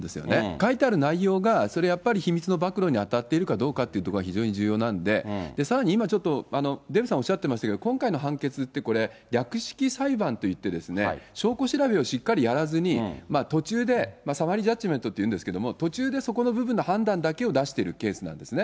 書いてある内容が、それやっぱり秘密の暴露に当たっているかどうかというところが非常に重要なんで、さらに今、ちょっとデーブさんおっしゃってますけど、今回の判決ってこれ、略式裁判といってですね、証拠調べをしっかりやらずに、途中で、さわりジャッジメントっていうんですけど、途中でそこの部分の判断だけを出してるケースなんですね。